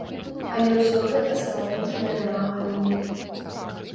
Але ўсё гэта саматужныя намаганні.